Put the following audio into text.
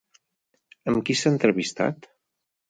Amb qui s'ha entrevistat?